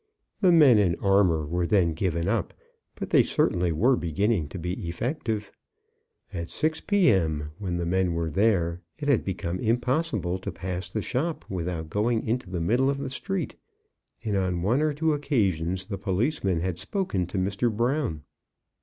The men in armour were then given up, but they certainly were beginning to be effective. At 6 P.M., when the men were there, it had become impossible to pass the shop without going into the middle of the street, and on one or two occasions the policemen had spoken to Mr. Brown.